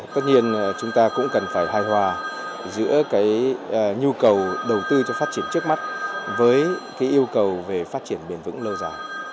tất nhiên chúng ta cũng cần phải hài hòa giữa cái nhu cầu đầu tư cho phát triển trước mắt với yêu cầu về phát triển bền vững lâu dài